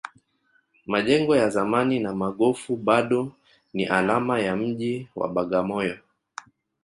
majengo ya zamani na magofu bado ni alama ya mji wa bagamoyo